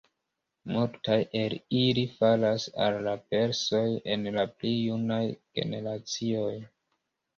Multaj el ili falas al la persoj en la pli junaj generacioj.